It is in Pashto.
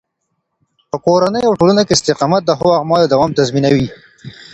په کورني او ټولنه کې استقامت د ښو اعمالو دوام تضمینوي.